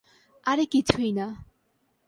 আরে কিছুই না।